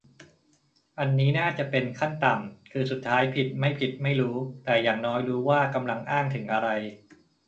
อันนี้น่าจะเป็นขั้นต่ำ คือสุดท้ายผิดไม่ผิดไม่รู้ แต่อย่างน้อยรู้ว่ากำลังอ้างถึงอะไร